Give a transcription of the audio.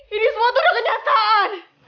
ini semua tuh udah kenyataan